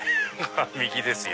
右ですよ！